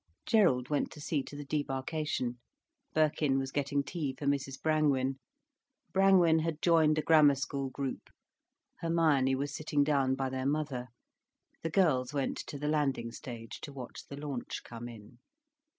Gerald went to see to the debarkation, Birkin was getting tea for Mrs Brangwen, Brangwen had joined a Grammar School group, Hermione was sitting down by their mother, the girls went to the landing stage to watch the launch come in.